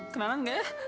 kenalan gak ya